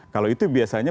kalau itu biasanya